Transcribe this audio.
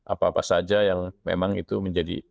apa apa saja yang memang itu menjadi